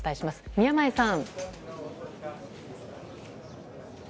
宮前さん。